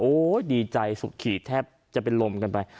โอ้ยยดีใจสุขิตแทบจะเป็นลมกันไป